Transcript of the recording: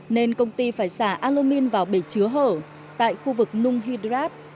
nên công ty phải xả alomin vào bể chứa hở tại khu vực nung hydrat